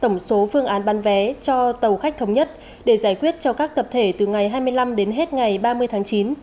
tổng số phương án bán vé cho tàu khách thống nhất để giải quyết cho các tập thể từ ngày hai mươi năm đến hết ngày ba mươi tháng chín